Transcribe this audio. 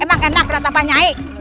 emang enak kata pak nyanyi